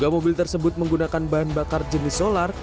menggunakan bahan bakar jenis solar